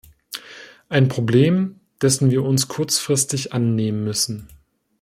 Ein Problem, dessen wir uns kurzfristig annehmen müssen.